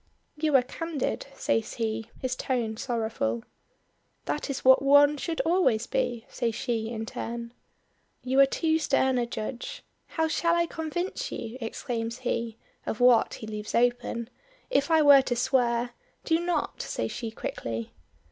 "You are candid,'" says he, his tone sorrowful. "That is what one should always be," says she in turn. "You are too stern a judge. How shall I convince you," exclaims he "of what he leaves open? If I were to swear " "Do not," says she quickly.